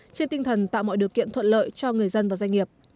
trên tinh thần tạo mọi điều kiện thuận lợi cho người dân và doanh nghiệp